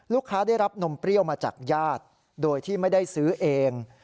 ลูกค้าได้รับนมเปรี้ยวมาจากย่าดโดยที่ไม่ได้ซื้อเอง